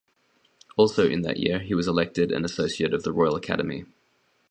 Also in that year he was elected an associate of the Royal Academy.